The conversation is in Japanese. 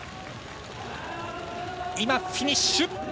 フィニッシュ！